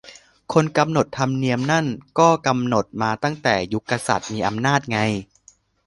คนกำหนดธรรมเนียมนั่นก็กำหนดมาตั้งแต่ยุคกษัตริย์มีอำนาจไง